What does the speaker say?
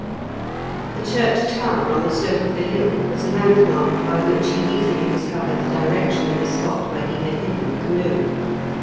The church tower on the slope of the hill was a landmark by which he easily discovered the direction of the spot where he had hidden the canoe.